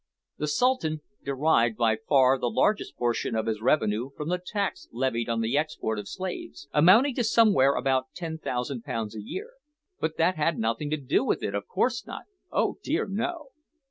The Sultan derived by far the largest portion of his revenue from the tax levied on the export of slaves amounting to somewhere about 10,000 pounds a year but that had nothing to do with it of course not, oh dear no!